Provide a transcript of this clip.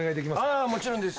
あもちろんです。